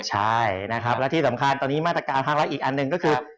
ใช่และที่สำคัญตอนนี้มาตรการภักดิ์ของรักษณ์อีกอันหนึ่งก็คือ